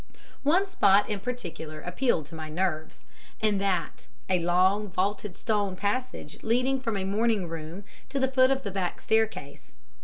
One spot in particular appealed to my nerves and that, a long, vaulted stone passage leading from a morning room to the foot of the back staircase.